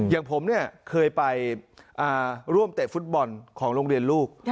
อย่างผมเนี่ยเคยไปร่วมเตะฟุตบอลของโรงเรียนลูก